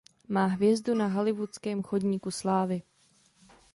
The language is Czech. Má hvězdu na hollywoodském Chodníku slávy.